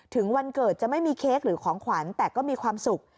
ถึงวันเกิดจะไม่มีเค้กหรือของขวัญแต่ก็มีความสุข